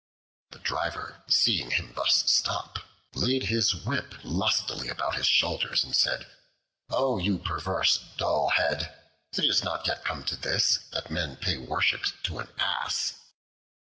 The driver, seeing him thus stop, laid his whip lustily about his shoulders and said, "O you perverse dull head! it is not yet come to this, that men pay worship to an Ass."